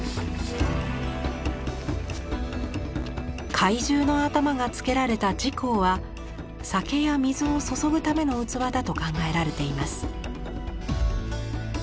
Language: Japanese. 怪獣の頭がつけられたは酒や水を注ぐための器だと考えられています。